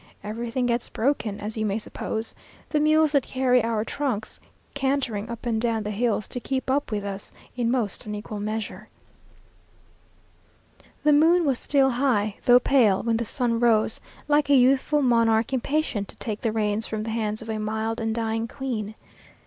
Everything gets broken, as you may suppose; the mules that carry our trunks cantering up and down the hills to keep up with us, in most unequal measure. The moon was still high, though pale, when the sun rose, like a youthful monarch impatient to take the reins from the hands of a mild and dying queen.